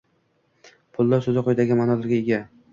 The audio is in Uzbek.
Pulli soʻzi quyidagi maʼnolarga ega